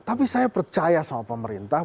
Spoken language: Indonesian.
tapi saya percaya sama pemerintah